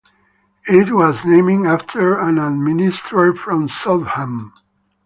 It was named after and administered from Southam.